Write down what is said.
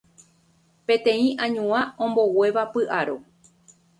Peteĩ añuã omboguéva py'aro